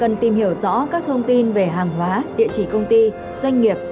cần tìm hiểu rõ các thông tin về hàng hóa địa chỉ công ty doanh nghiệp